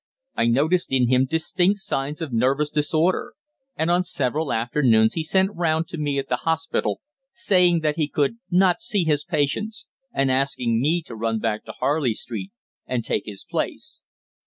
I noticed in him distinct signs of nervous disorder; and on several afternoons he sent round to me at the Hospital, saying that he could not see his patients, and asking me to run back to Harley Street and take his place.